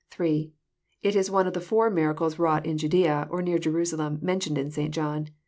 (3) It is one of the four miracles wrought in Judffia, or near Jerusalem, mentioned in St. John.